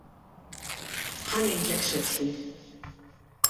Ħa ngħidlek x'għedtli!